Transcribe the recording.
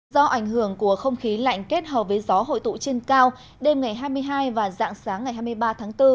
do ảnh hưởng của không khí lạnh kết hợp với gió hội tụ trên cao đêm ngày hai mươi hai và dạng sáng ngày hai mươi ba tháng bốn